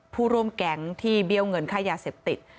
ผู้ร่วมแก๊งที่เบี้ยวเงินค่ายาเสพติด